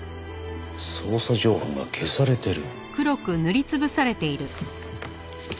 捜査情報が消されてる。